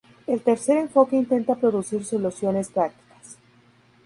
El tercer enfoque intenta producir soluciones prácticas.